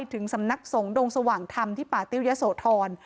สำนักสงฆ์ดงสว่างธรรมที่ป่าติ้วยะโสธร